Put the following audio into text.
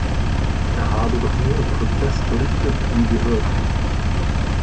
Er habe doch nur im Prozess berichtet wie gehört.